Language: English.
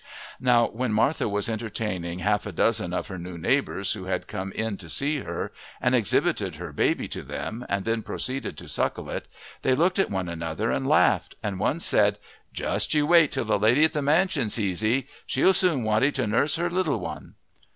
Now when Martha was entertaining half a dozen of her new neighbours who had come in to see her, and exhibited her baby to them and then proceeded to suckle it, they looked at one another and laughed, and one said, "Just you wait till the lady at the mansion sees 'ee she'll soon want 'ee to nurse her little one."